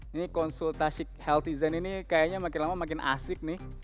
ini konsultasi healthyzen ini kayaknya makin lama makin asik nih